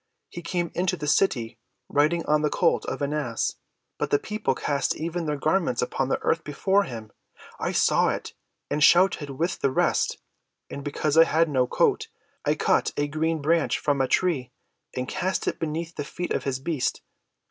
He came into the city riding on the colt of an ass; but the people cast even their garments upon the earth before him. I saw it, and shouted with the rest; and because I had no coat, I cut a green branch from a tree and cast it beneath the feet of his beast.